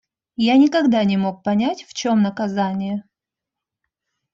Я никогда не мог понять, в чем наказанье.